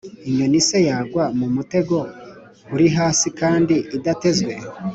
Inyoni se yagwa mu mutego uri hasi kandi udatezwe?